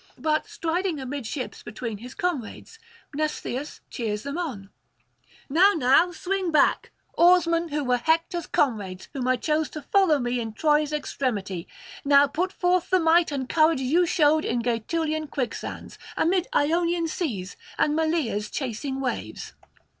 But striding amidships between his comrades, Mnestheus cheers them on: 'Now, now swing back, oarsmen who were Hector's comrades, whom I chose to follow me in Troy's extremity; now put forth the might and courage you showed in Gaetulian quicksands, amid Ionian seas and Malea's chasing waves.